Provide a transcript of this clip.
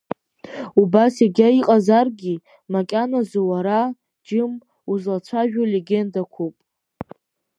Убас егьа иҟазаргьы, макьаназы уара, џьым, узлацәажәо легендақәоуп…